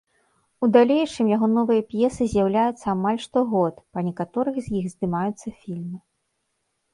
У далейшым яго новыя п'есы з'яўляюцца амаль штогод, па некаторых з іх здымаюцца фільмы.